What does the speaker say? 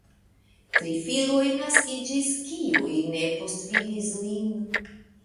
Tri filoj naskiĝis, kiuj ne postvivis lin.